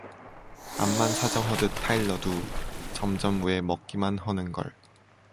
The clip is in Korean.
암만 사정허듯 타일러두 점점 왜먹기만 허는걸.